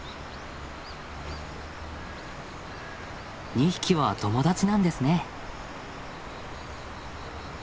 ２匹は友達なんですね。